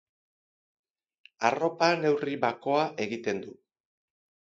Arropa neurri bakoa egiten du.